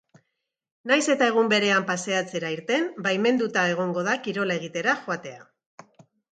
Nahiz eta egun berean paseatzera irten, baimenduta egongo da kirola egitera joatea.